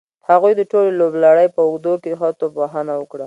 هغوی د ټولې لوبلړۍ په اوږدو کې ښه توپ وهنه وکړه.